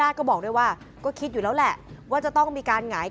นี่คือคนร้ายที่ทำร้าย